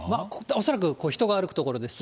恐らく人が歩く所ですね。